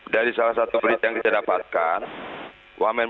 dari salah satu berita yang kita dapatkan